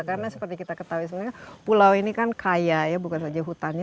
karena seperti kita ketahui pulau ini kan kaya ya bukan saja hutannya